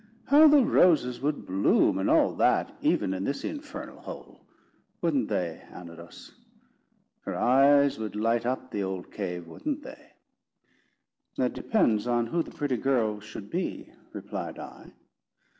How the roses would bloom and all that, even in this infernal hole! wouldn't they, Anodos? Her eyes would light up the old cave, wouldn't they?" "That depends on who the pretty girl should be," replied I.